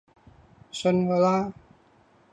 信我啦